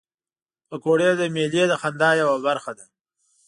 پکورې د میلې د خندا یوه برخه ده